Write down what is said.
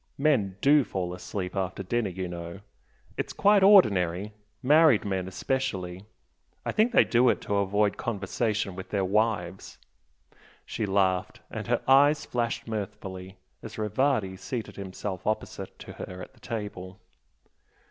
Men DO fall asleep after dinner you know! it's quite ordinary. Married men especially! I think they do it to avoid conversation with their wives!" She laughed, and her eyes flashed mirthfully as Rivardi seated himself opposite to her at table.